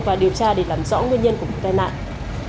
và điều tra để làm rõ nguyên nhân của vụ tai nạn